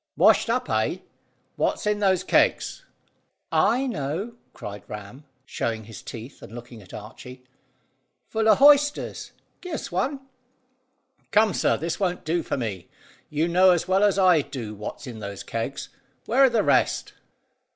"Washed up, eh? What's in those kegs?" "I know," cried Ram, showing his teeth, and looking at Archy. "Full o' hoysters! Give us one!" "Come, sir; this won't do for me. You know as well as I do what's in those kegs. Where are the rest?"